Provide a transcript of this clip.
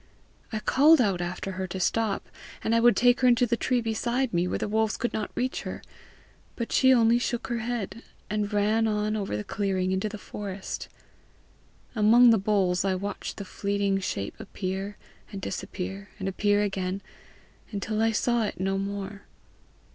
I called out after her to stop, and I would take her into the tree beside me, where the wolves could not reach her; but she only shook her head, and ran on over the clearing into the forest. Among the holes I watched the fleeting shape appear and disappear and appear again, until I saw it no more.